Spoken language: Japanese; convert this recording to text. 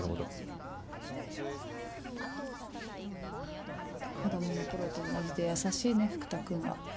フッ子供の頃と同じで優しいね福多君は。